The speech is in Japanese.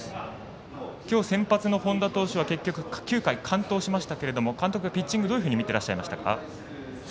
きょう、先発の本田投手は結局９回完投しましたけれど監督、ピッチングをどういうふうに見てらっしゃいましたか？